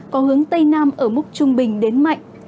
có hướng tây nam ở mức trung bình đến mạnh